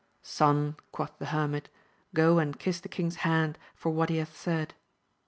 Son, quoth the hermit, go and kiss the king's hand for what he hath said.